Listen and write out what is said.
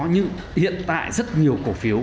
nhưng hiện tại rất nhiều cổ phiếu